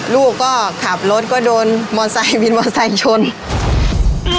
ลูกก็ขับรถก็โดนมอนไซ่บินมอนไซ่ชน